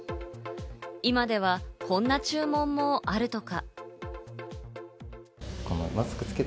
今ではこんな注文もあるとか。